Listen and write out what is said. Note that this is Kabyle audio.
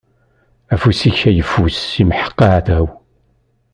Afus-ik ayeffus imḥeq aɛdaw.